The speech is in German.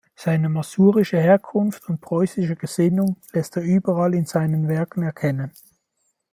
Seine masurische Herkunft und preußische Gesinnung läßt er überall in seinen Werken erkennen.